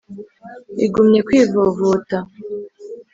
igumye kwivovota,